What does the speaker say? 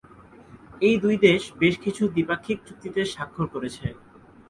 এই দুই দেশ বেশ কিছু দ্বিপাক্ষিক চুক্তিতে সাক্ষর করেছে।